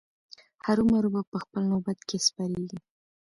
هرو مرو به په خپل نوبت کې سپریږي.